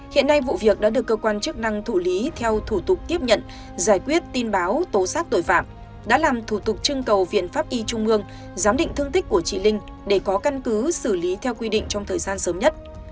hiện nay vụ việc đã được cơ quan chức năng thủ lý theo thủ tục tiếp nhận giải quyết tin báo tố xác tội phạm đã làm thủ tục trưng cầu viện pháp y trung ương giám định thương tích của chị linh để có căn cứ xử lý theo quy định trong thời gian sớm nhất